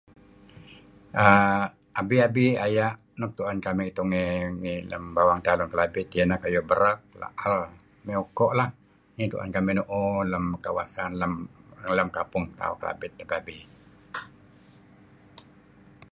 err Abi-abi aya' nuk tu'en kamih tungey ngi lem bawang tauh kelabit iyeh neh kayu' berek, la'al mey uku' lah , ineh tu'en kamih nu'uh lem kawasan lem kampung tauh Kelabit abi-abi.